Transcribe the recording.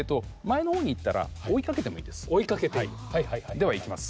ではいきます。